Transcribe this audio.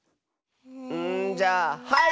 んじゃあはい！